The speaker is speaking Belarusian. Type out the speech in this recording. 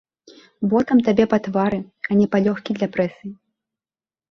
Ботам табе па твары, а не палёгкі для прэсы!